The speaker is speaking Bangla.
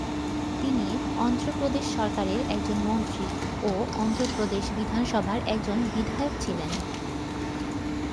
তিনি অন্ধ্র প্রদেশ সরকারের একজন মন্ত্রী ও অন্ধ্র প্রদেশ বিধানসভার একজন বিধায়ক ছিলেন।